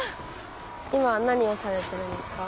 今何をされてるんですか？